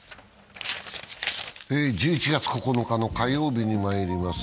１１月９日の火曜日にまいります。